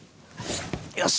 よし！